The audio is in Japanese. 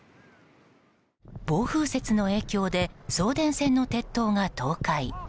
暴風雪の影響で送電線の鉄塔が倒壊。